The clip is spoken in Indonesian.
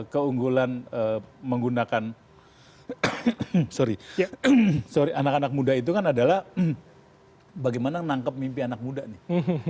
keunggulan menggunakan sorry sorry anak anak muda itu kan adalah bagaimana menangkap mimpi anak muda nih